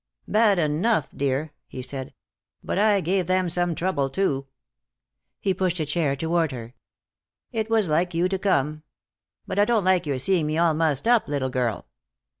"Bad enough, dear," he said, "but I gave them some trouble, too." He pushed a chair toward her. "It was like you to come. But I don't like your seeing me all mussed up, little girl."